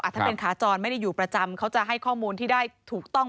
ถ้าเป็นขาจรไม่ได้อยู่ประจำเขาจะให้ข้อมูลที่ได้ถูกต้อง